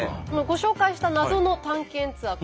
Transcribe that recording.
ご紹介した謎の探検ツアー。